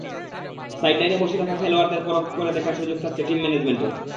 সাইডলাইনে বসে থাকা খেলোয়াড়দের পরখ করে দেখার সুযোগ থাকছে টিম ম্যানেজমেন্টের।